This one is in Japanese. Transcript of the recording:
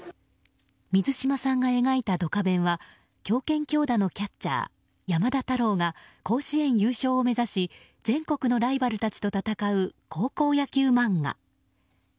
水島さんが描いた「ドカベン」は強肩強打のキャッチャー山田太郎が甲子園優勝を目指し全国のライバルたちと戦う高校野球漫画。